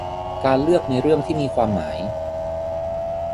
การเลือกในเรื่องที่มีความหมาย